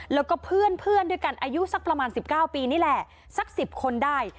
แล้วก็เพื่อนด้วยกันอายุสักประมาณ๑๙ปีนี่แหละสัก๑๐คนได้